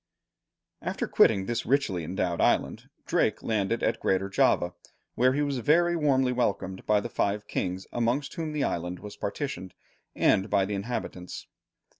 After quitting this richly endowed island, Drake landed at Greater Java, where he was very warmly welcomed by the five kings amongst whom the island was partitioned, and by the inhabitants.